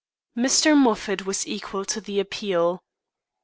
Mr. Moffat was equal to the appeal.